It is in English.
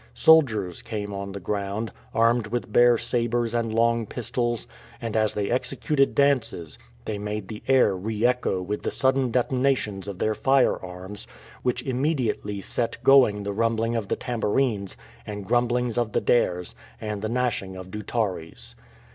Soldiers came on the ground, armed with bare sabers and long pistols, and, as they executed dances, they made the air re echo with the sudden detonations of their firearms, which immediately set going the rumbling of the tambourines, and grumblings of the daires, and the gnashing of doutares.